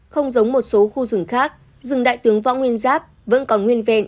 không giống một số khu rừng khác rừng đại tướng võ nguyên giáp vẫn còn nguyên vẹn